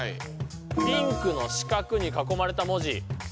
ピンクの四角に囲まれた文字。